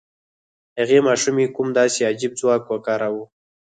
هغې ماشومې کوم داسې عجيب ځواک وکاراوه؟